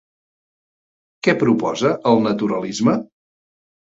Què proposa el naturalisme?